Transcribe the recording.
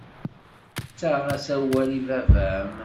Ttaɣ-as awal i baba-m.